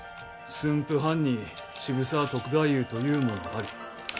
「駿府藩に渋沢篤太夫というものあり。